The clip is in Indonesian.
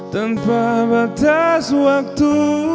tanpa batas waktu